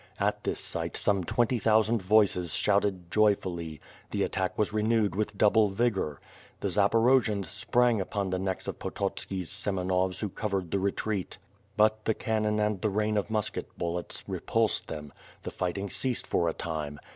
At this sight some twenty thousand voices shouted joyfully: The attack was renewed with double vigor. The Zaporojians sprang upon the necks of Pototski's Semenovs who covered the retreat. But the cannon and the rain of musket bullets repulsed them. The fighting ceased for a time.